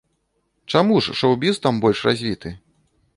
Чаму ж шоў-біз там больш развіты?